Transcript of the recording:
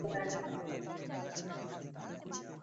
ওই, আমার রাতের খাবার কোথায়?